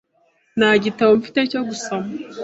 Nta gitabo mfite cyo gusoma .